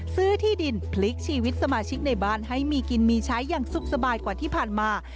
ที่ดินพลิกชีวิตสมาชิกในบ้านให้มีกินมีใช้อย่างสุขสบายกว่าที่ผ่านมา